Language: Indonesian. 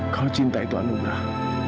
kau cinta itu anugerah